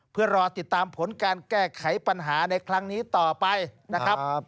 เพื่อรอติดตามผลการแก้ไขปัญหาในครั้งนี้ต่อไปนะครับ